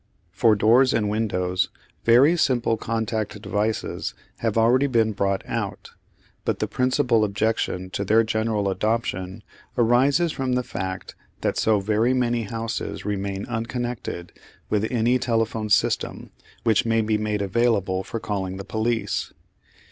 For doors and windows very simple contact devices have already been brought out, but the principal objection to their general adoption arises from the fact that so very many houses remain unconnected with any telephone system which may be made available for calling the police.